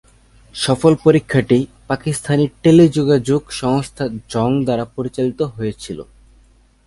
সফল পরীক্ষাটি পাকিস্তানি টেলিযোগাযোগ সংস্থা জং দ্বারা পরিচালিত হয়েছিল।